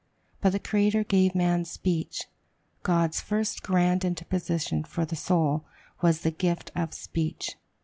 But the Creator gave man speech; God's first grand interposition for the soul was the gift of speech!